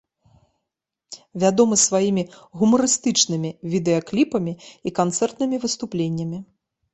Вядомы сваімі гумарыстычнымі відэакліпамі і канцэртнымі выступленнямі.